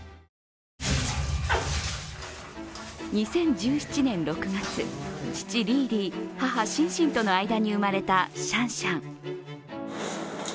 ２０１７年６月、父・リーリー、母・シンシンとの間に生まれたシャンシャン。